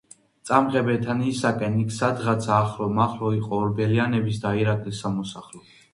"წამყე ბეთანიისაკენ იქ სადღაცა ახლო მახლო იყო ორბელიანების და ირაკლის სამოსახლო"